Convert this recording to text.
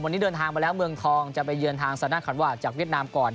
วันนี้เดินทางมาแล้วเมืองทองจะไปเยือนทางสนานขันวาจากเวียดนามก่อน